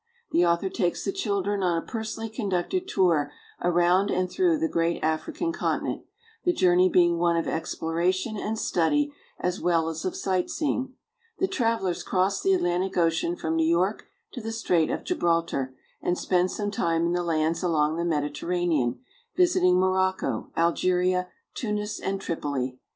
The author takes the children on a personally conducted tour around and through the great African continent, the journey being one of exploration and study as well as of sight seeing. The travelers cross the Atlantic Ocean from New York to the Strait of Gibraltar, and spend some time in the lands along the Mediterranean, visiting Morocco, Algeria, Tunis, and Tripoli.